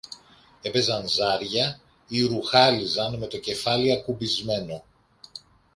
έπαιζαν ζάρια ή ρουχάλιζαν με το κεφάλι ακουμπισμένο